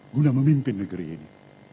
guna memimpin negeri ini